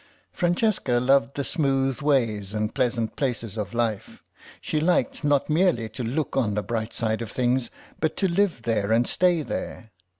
Francesca loved the smooth ways and pleasant places of life; she liked not merely to look on the bright side of things but to live there and stay there.